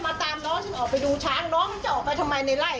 มันไปดูเหตุการณ์แล้วมันไม่ใช่